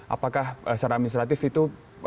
apakah secara administratif itu